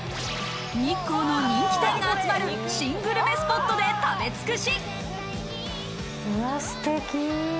日光の人気店が集まる新グルメスポットで食べつくし。